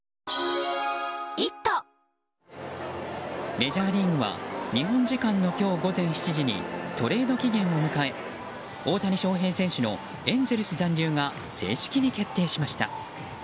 メジャーリーグは日本時間の今日午前７時にトレード期限を迎え大谷翔平選手のエンゼルス残留が正式に決定しました。